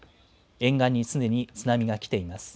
沿岸にすでに津波が来ています。